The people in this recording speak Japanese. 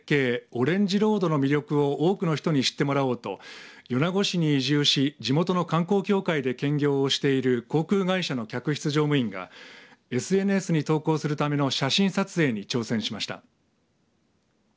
オレンジロードの魅力を多くの人に知ってもらおうと米子市に移住し地元の観光協会で兼業している航空会社の客室乗務員がＳＮＳに投稿するための写真撮影に挑戦しました。